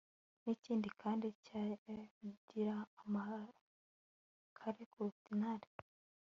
ni iki kandi cyagira amakare kuruta intare